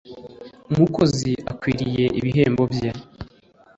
umukozi akwiriye ibihembo bye